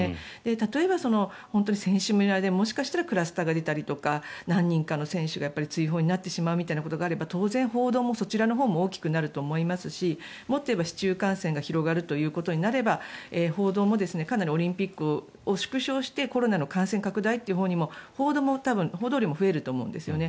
例えば、本当に選手村でもしかしたらクラスターが出たりとか何人かの選手が追放になってしまうということがあれば当然、報道もそちらのほうも大きくなると思いますしもっといえば市中感染が広がるということになれば報道もかなりオリンピックを縮小してコロナの感染拡大のほうにも報道も増えると思うんですよね。